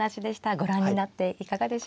ご覧になっていかがでしょうか。